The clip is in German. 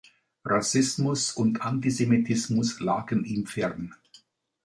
Rassismus und Antisemitismus lagen ihm fern.